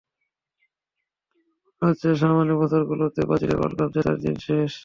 তবে মনে হচ্ছে সামনের বছরগুলোতে ব্রাজিলের ওয়ার্ল্ড কাপ জেতার দিন শেষ।